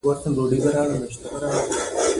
تر څو چې خلک ورته متوجع شي.